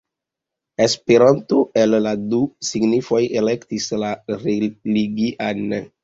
Esperanto el la du signifoj elektis la religian.